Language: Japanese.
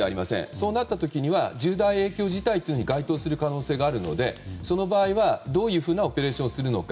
そうなった時には重大影響事態ということに該当することがありますのでその場合は、どういうふうなオペレーションをするのか。